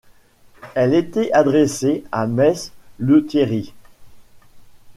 Elle était adressée à mess Lethierry.